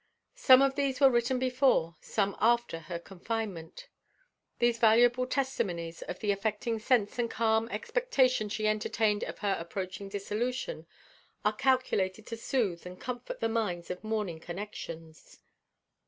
Some of these were written before, some after, her confinement. These valuable testimonies of the affecting sense and calm expectation she entertained of her approaching dissolution are calculated to soothe and comfort the minds of mourning connections.